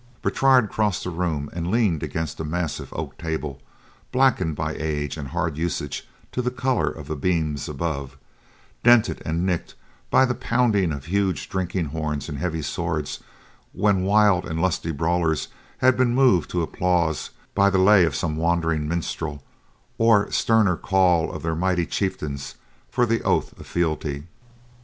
Bertrade crossed the room and leaned against a massive oak table, blackened by age and hard usage to the color of the beams above, dented and nicked by the pounding of huge drinking horns and heavy swords when wild and lusty brawlers had been moved to applause by the lay of some wandering minstrel, or the sterner call of their mighty chieftains for the oath of fealty.